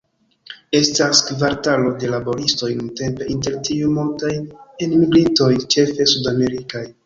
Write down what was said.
Estas kvartalo de laboristoj, nuntempe inter tiuj multaj enmigrintoj, ĉefe sudamerikaj.